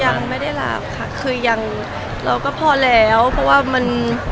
ยังไม่ได้ลาบค่ะคือยังเราก็พอแล้วเพราะว่ามัน